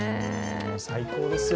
最高ですよ。